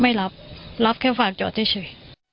ไม่รับรับแค่ฝากจอดเฉย